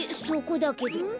そこだけど。